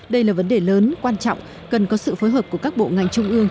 đây là vấn đề lớn quan trọng cần có sự phối hợp của các bộ ngành trung ương